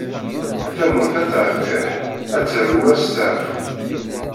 Tamurt ad teṛtiḥ, ad teṛwu asteɛfu.